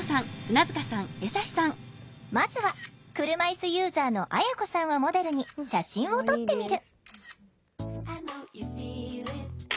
まずは車いすユーザーのあやこさんをモデルに写真を撮ってみる。